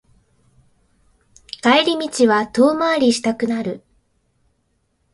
帰り道は遠回りしたくなる